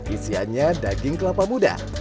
isiannya daging kelapa muda